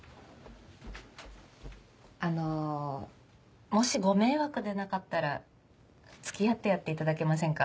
あのもしご迷惑でなかったら付き合ってやっていただけませんか？